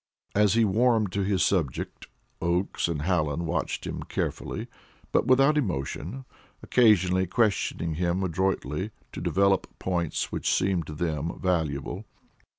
As he warmed to his subject, Oakes and Hallen watched him carefully, but without emotion, occasionally questioning him adroitly to develop points which seemed to them valuable.